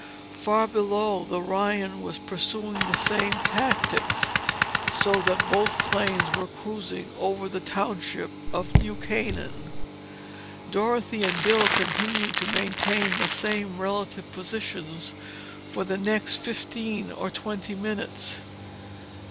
Far below, the Ryan was pursuing the same tactics, so that both planes were cruising over the township of New Canaan. Dorothy and Bill continued to maintain the same relative positions for the next fifteen or twenty minutes.